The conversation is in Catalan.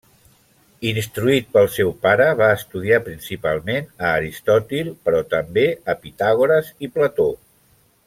Instruït pel seu pare, va estudiar principalment a Aristòtil, però també a Pitàgores i Plató.